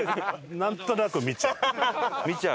なんとなく見ちゃう。